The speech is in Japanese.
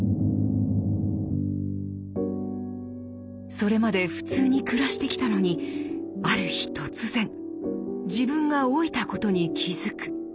それまで普通に暮らしてきたのにある日突然自分が老いたことに気付く。